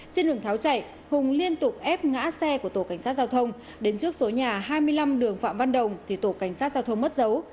trên đường tháo chạy hùng liên tục ép ngã xe của tổ cảnh sát giao thông đến trước số nhà hai mươi năm đường phạm văn đồng thì tổ cảnh sát giao thông mất dấu